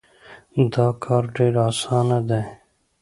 دا کار ډېر اسان دی.